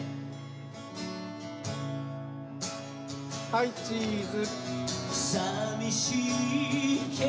はいチーズ。